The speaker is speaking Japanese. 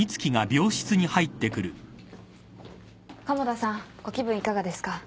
鴨田さんご気分いかがですか？